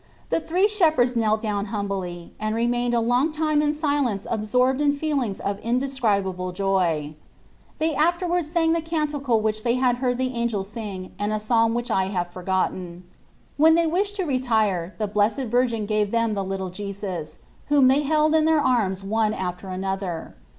The three shepherds knelt down humbly and remained a long time in silence absorbed in feelings of inde scribable joy. They afterwards sang the canticle which they had heard the angels sing and a psalm which I have forgotten. When they wished to retire the Blessed Virgin gave them the little Jesus, whom they held in their arms one after another.